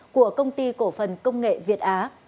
của công ty cổ phần công nghệ việt á